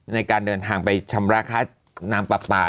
ในการเดินทางไปชำระค่าน้ำปลาปลา